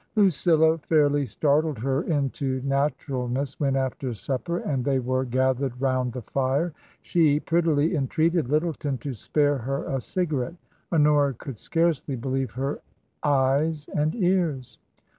Lucilla fairly startled her into naturalness when, after supper, and they were TRANSITION. 171 gathered round the fire, she prettily entreated Lyttleton to spare her a cigarette. Honora could scarcely believe her eyes and ears.